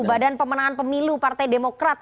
badan pemenangan pemilu partai demokrat